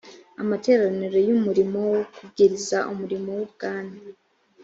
amateraniro y umurimo wo kubwiriza umurimo w ubwami